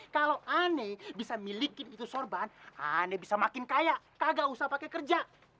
kalau ane bisa milikin itu sorban ane bisa makin kaya kaga usah pake kerja